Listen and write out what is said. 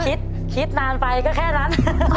คิดคิดนานไปก็แค่นั้น